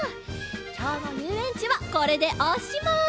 きょうのゆうえんちはこれでおしまい！